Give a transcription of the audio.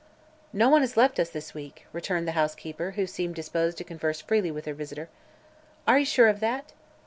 "No one has left us this week," returned the housekeeper, who seemed disposed to converse freely with her visitor. "Are you sure of that?"